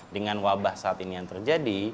dengan wabah saat ini yang terjadi